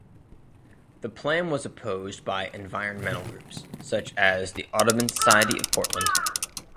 The plan was opposed by environmental groups, such as the Audubon Society of Portland.